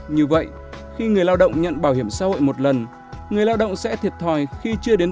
như vậy khi người lao động nhận bảo hiểm xã hội một lần người lao động sẽ thiệt thòi khi chưa đến